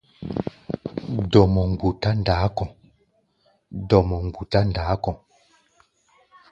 Dɔmɔ mgbutá ndaá kɔ̧.